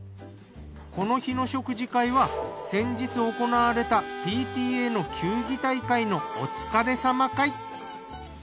この日の食事会は先日行われたＰＴＡの球技大会のお疲れさま会。